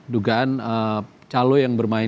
dugaan calo yang bermain